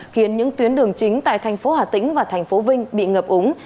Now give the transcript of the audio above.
khiến những tuyến đường chính tại thành phố hà tĩnh và thành phố vinh bị ngập úng